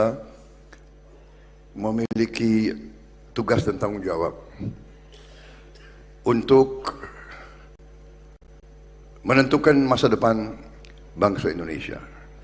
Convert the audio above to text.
kita memiliki tugas dan tanggung jawab untuk menentukan masa depan bangsa indonesia